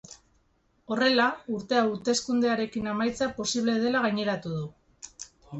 Horrela, urtea hazkundearekin amaitzea posible dela gaineratu du.